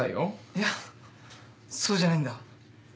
いやそうじゃないんだ。